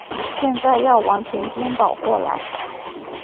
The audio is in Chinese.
现在要完全颠倒过来。